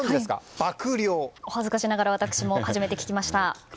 お恥ずかしながら私も初めて聞きました。